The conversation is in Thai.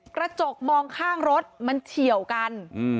กระจกมองข้างรถมันเฉียวกัน